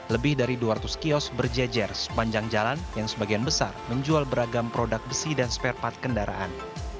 lebih dari dua ratus kios berjejer sepanjang jalan yang sebagian besar menjual beragam produk besi dan spare part kendaraan